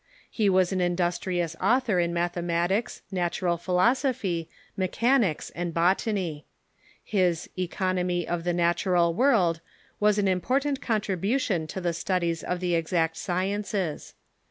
He was an industrious author in mathematics, natural philosophy, mechanics, and botany. His " Economy of the Natural World " was an important contribu tion to the studies of the exact sciences.